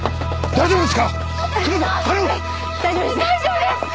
大丈夫です。